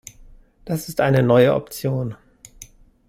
Das ist eine neue Option.